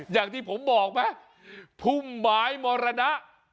อย่างที่ผมบอกแม่พุ่มหมายหมอรณะ